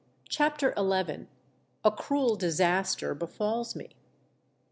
CHAPTER XL A CRUEL DISASTER BEFALLS ME.